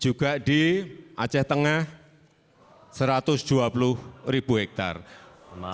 juga di aceh tengah satu ratus dua puluh ribu hektare